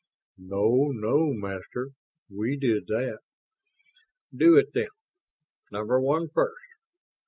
"Oh, no, Master, we did that." "Do it, then. Number One first